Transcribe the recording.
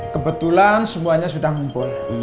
kebetulan semuanya sudah ngumpul